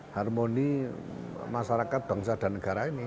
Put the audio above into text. harmoni masyarakat bangsa dan negara ini